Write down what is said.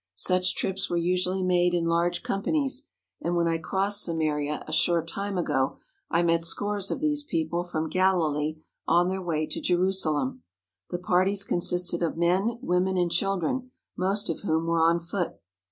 Such trips were usually made in large companies, and when I crossed Samaria a short time ago I met scores of these people from Galilee on their way to Jerusalem. The parties consisted of men, women, and children, most of whom were on foot.